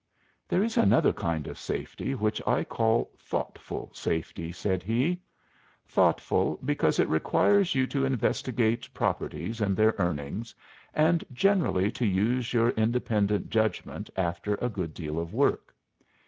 'There is another kind of safety which I call thoughtful safety,' said he. 'Thoughtful, because it requires you to investigate properties and their earnings, and generally to use your independent judgment after a good deal of work.